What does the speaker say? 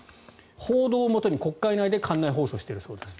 報道をもとに国会内で館内放送しているそうです。